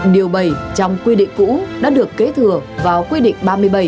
điều bảy trong quy định cũ đã được kế thừa vào quy định ba mươi bảy